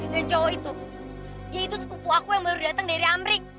dan cowok itu dia itu sepupu aku yang baru datang dari amrik